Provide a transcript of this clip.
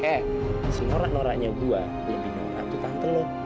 eh se nora noranya gua lebih nora tuh tante lo